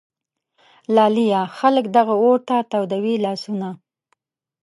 لالیه ! خلک دغه اور ته تودوي لاسونه